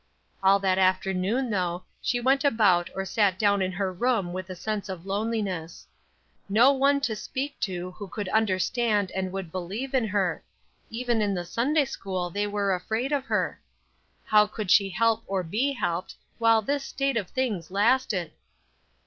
All that afternoon, though, she went about or sat down in her room with a sense of loneliness. No one to speak to who could understand and would believe in her, even in the Sunday school they were afraid of her. How could she help or be helped, while this state of things lasted?